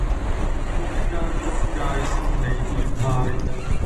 中間分界心理變態